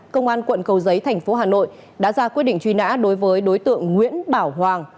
công an quận cầu giấy thành phố hà nội đã ra quyết định truy nã đối với đối tượng nguyễn bảo hoàng